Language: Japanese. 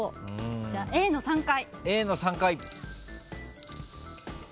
じゃあＡの３階。